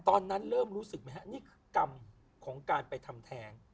ตอนนั้นเริ่มรู้สึกไหมฮะนี่คือกรรมของการไปทำแท้ง